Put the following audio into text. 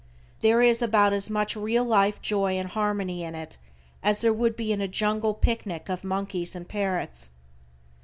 There is about as much real life joy and harmony in it as there would be in a jungle picnic of monkeys and parrots.